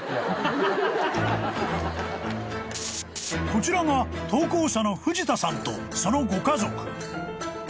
［こちらが投稿者の藤田さんとそのご家族］